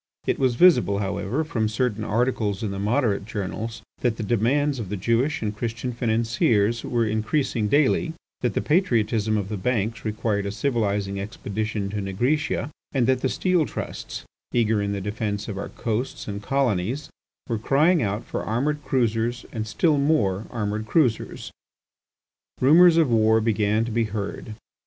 It was visible, however, from certain articles in the Moderate journals, that the demands of the Jewish and Christian financiers were increasing daily, that the patriotism of the banks required a civilizing expedition to Nigritia, and that the steel trusts, eager in the defence of our coasts and colonies, were crying out for armoured cruisers and still more armoured cruisers. Rumours of war began to be heard.